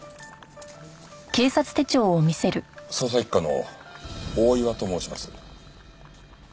捜査一課の大岩と申します。